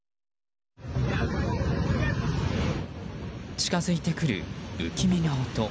近づいてくる不気味な音。